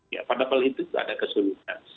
ya pada pelitik ada keseluruhan